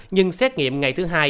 nhưng xét nghiệm ngày thứ hai